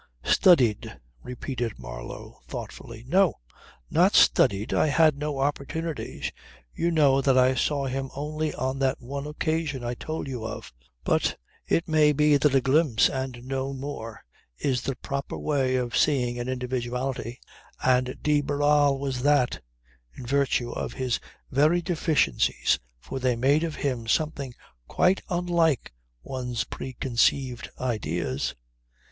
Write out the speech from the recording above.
"Studied," repeated Marlow thoughtfully. "No! Not studied. I had no opportunities. You know that I saw him only on that one occasion I told you of. But it may be that a glimpse and no more is the proper way of seeing an individuality; and de Barral was that, in virtue of his very deficiencies for they made of him something quite unlike one's preconceived ideas.